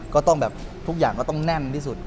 ก็ต้องแบบทุกอย่างก็ต้องแน่นที่สุด